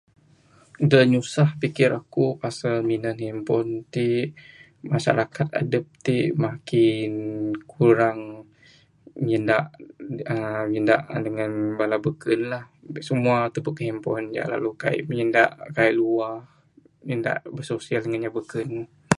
Da nyusah pikir aku pasal minan handphone ti masyarakat adep ti makin kurang nyanda uhh nyanda dangan bala beken la...simua tubek handphone jak lalu kaii nyanda kaii luah...nyanda bisosial dangan inya beken.